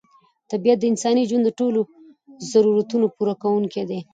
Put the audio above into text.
طبیعت د انساني ژوند د ټولو ضرورتونو پوره کوونکی دی.